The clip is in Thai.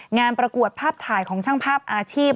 งานประกวดภาพถ่ายของช่างภาพอาชีพ